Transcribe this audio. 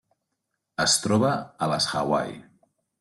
Es troba a les Hawaii.